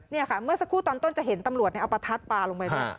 นี่ค่ะเมื่อสักครู่ตอนต้นจะเห็นตำรวจเอาประทัดปลาลงไปด้วย